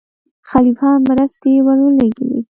خلیفه هم مرستې ورولېږلې.